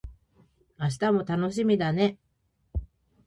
明日も楽しみだね